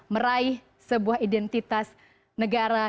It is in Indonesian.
meraih sebuah identitas negara